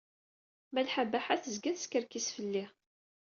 Malḥa Baḥa tezga teskerkis fell-i.